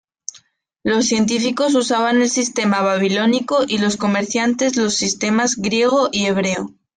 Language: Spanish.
Los científicos usaban el sistema babilónico y los comerciantes los sistemas griego y hebreo.